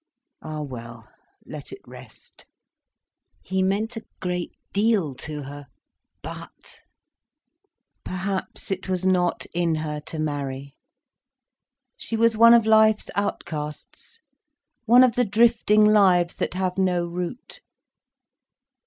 Ah well, let it rest! He meant a great deal to her—but—! Perhaps it was not in her to marry. She was one of life's outcasts, one of the drifting lives that have no root.